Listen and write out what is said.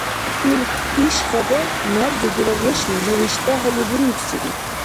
Иш хабар набзи дила нешли, ну виштӀахӀели, бурибсири.